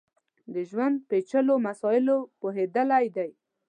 د ژوند پېچلیو مسایلو پوهېدلی دی.